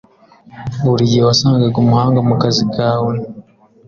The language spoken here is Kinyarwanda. Buri gihe wasangaga umuhanga mukazi kawe.